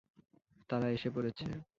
তারা এসে পড়েছে।